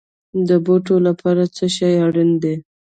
د بوټو لپاره څه شی اړین دی؟